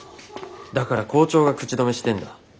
だから校長が口止めしてんだ。